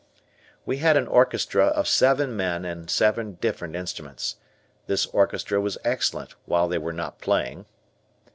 We had an orchestra of seven men and seven different instruments. This orchestra was excellent, while they were not playing.